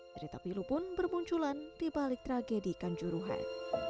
cerita pilu pun bermunculan di balik tragedi kanjuruhan